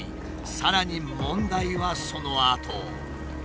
さらに問題はそのあと。